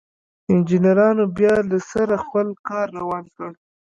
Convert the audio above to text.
انجنيرانو بيا له سره خپل کار روان کړ.